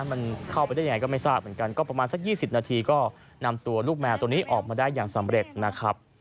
มันเข้าไปได้ยังไงก็ไม่ทราบเหมือนกันก็ประมาณสัก๒๐นาทีก็นำตัวลูกแมวตัวนี้ออกมาได้อย่างสำเร็จนะครับ